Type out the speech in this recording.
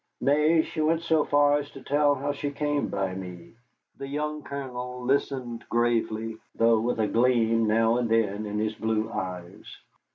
Nay, she went so far as to tell how she came by me. The young Colonel listened gravely, though with a gleam now and then in his blue eyes.